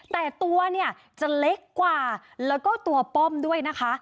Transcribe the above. แต่ตัวเนี่ยจะเล็กกว่าแล้วก็ตัวป้อมด้วยนะคะ